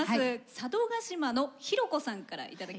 佐渡島のｈｉｒｏｋｏさんから頂きました。